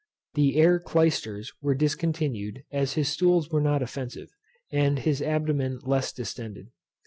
The air clysters were discontinued, as his stools were not offensive, and his Abdomen less distended.